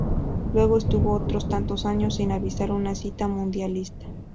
Luego estuvo otros tantos años sin visitar una cita mundialista.